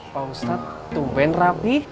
pak ustadz tupen rapih